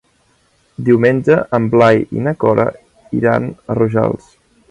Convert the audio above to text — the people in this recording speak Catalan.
Diumenge en Blai i na Cora iran a Rojals.